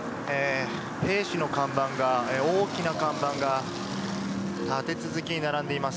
兵士の看板が、大きな看板が立て続けに並んでいます。